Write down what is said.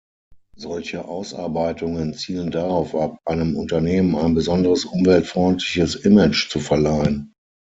Solche Ausarbeitungen zielen darauf ab, einem Unternehmen ein besonders umweltfreundliches Image zu verleihen.